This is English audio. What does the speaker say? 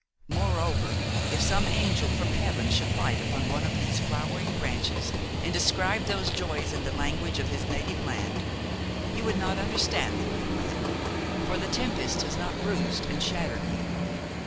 Moreover, if some angel from heaven should light upon one of these flowering branches and describe those joys in the language of his native land, you would not understand them, young man, for the tempest has not bruised and shattered you.